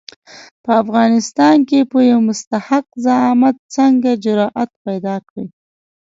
په افغانستان کې به یو مستحق زعامت څنګه جرآت پیدا کړي.